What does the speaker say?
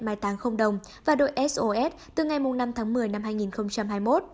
mai táng không đồng và đội sos từ ngày năm tháng một mươi năm hai nghìn hai mươi một